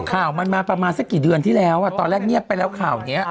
ข่าวมันมาประมาณสักกี่เดือนที่แล้วตอนแรกเงียบไปแล้วข่าวนี้